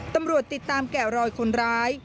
ตำรวจติดตามแก่รอยคนร้าย